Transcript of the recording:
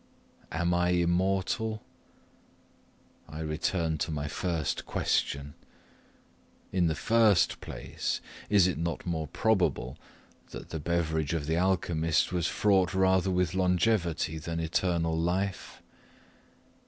Am I immortal? I return to my first question. In the first place, is it not more probable that the beverage of the alchymist was fraught rather with longevity than eternal life?